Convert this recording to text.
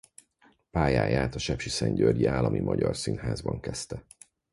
Pályáját a Sepsiszentgyörgyi Állami Magyar Színházban kezdte.